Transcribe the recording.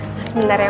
mas bentar ya om